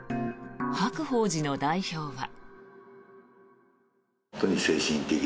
白鳳寺の代表は。